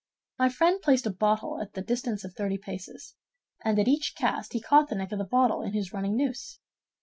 My friend placed a bottle at the distance of thirty paces, and at each cast he caught the neck of the bottle in his running noose.